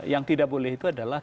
yang tidak boleh itu adalah